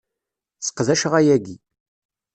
Seqdaceɣ ayagi.